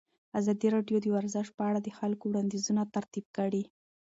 ازادي راډیو د ورزش په اړه د خلکو وړاندیزونه ترتیب کړي.